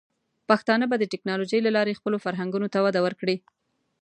پښتانه به د ټیکنالوجۍ له لارې خپلو فرهنګونو ته وده ورکړي.